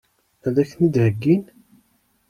Ad k-ten-id-heggin?